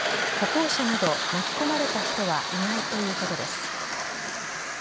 歩行者など巻き込まれた人はいないということです。